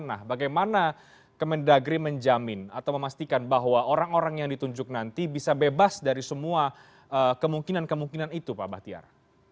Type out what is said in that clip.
nah bagaimana kemendagri menjamin atau memastikan bahwa orang orang yang ditunjuk nanti bisa bebas dari semua kemungkinan kemungkinan itu pak bahtiar